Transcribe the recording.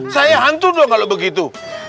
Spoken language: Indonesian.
saya hantu dong kalau begitu